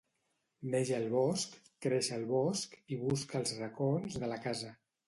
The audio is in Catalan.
Neix a bosc, creix a bosc i busca els racons de la casa.